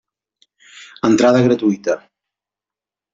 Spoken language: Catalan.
Entrada gratuïta.